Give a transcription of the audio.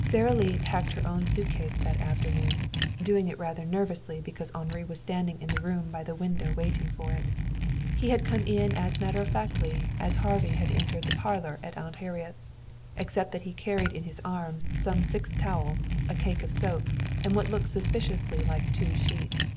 Sara Lee packed her own suitcase that afternoon, doing it rather nervously because Henri was standing in the room by the window waiting for it. He had come in as matter of factly as Harvey had entered the parlor at Aunt Harriet's, except that he carried in his arms some six towels, a cake of soap and what looked suspiciously like two sheets.